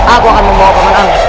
aku akan membawa paman aman